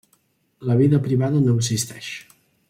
La vida privada no existeix.